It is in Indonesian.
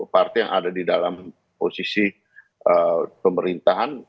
partai yang ada di dalam posisi pemerintahan